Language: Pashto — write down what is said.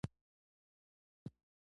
ځکه غنم د بقا مسئله ده.